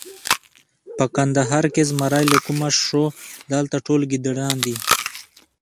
په کندهار کې زمری له کومه شو! دلته ټول ګیدړان دي.